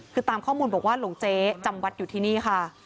คือตามข้อมูลบอกว่าหลวงเจ๊จำวัดอยู่ที่นี่ค่ะ